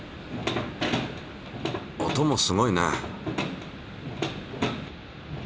音もすごいね。